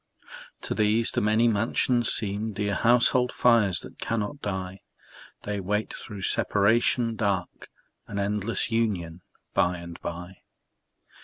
To these the many mansions seem Dear household fires that cannot die; They wait through separation dark An endless union by and by.